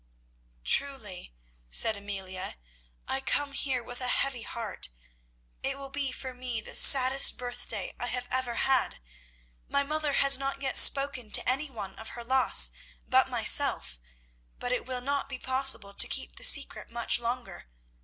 "Truly," said Amelia, "I came here with a heavy heart. It will be for me the saddest birthday I have ever had. My mother has not yet spoken to any one of her loss but myself, but it will not be possible to keep the secret much longer.